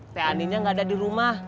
te aninya gak ada dirumah